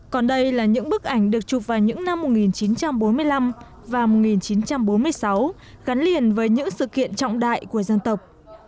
còn đây là những bức ảnh được chụp vào những năm một nghìn chín trăm bốn mươi năm và một nghìn chín trăm bốn mươi sáu gắn liền với những sự kiện trọng đại của dân tộc